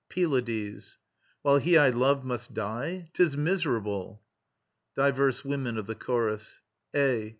PYLADES. While he I love must die? 'Tis miserable. DIVERS WOMEN OF THE CHORUS. A.